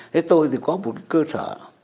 thế tôi thì có một cơ sở